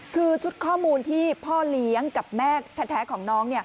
คือชุดข้อมูลที่พ่อเลี้ยงกับแม่แท้ของน้อง